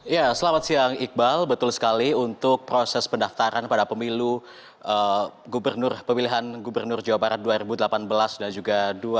ya selamat siang iqbal betul sekali untuk proses pendaftaran pada pemilu pemilihan gubernur jawa barat dua ribu delapan belas dan juga dua ribu sembilan belas